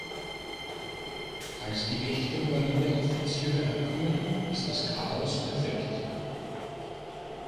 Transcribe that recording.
Als die echten Marineoffiziere ankommen, ist das Chaos perfekt.